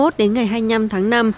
đến ngày hai mươi năm tháng năm